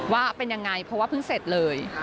ว่าเป็นยังไงเพราะว่าเพิ่งเสร็จเลย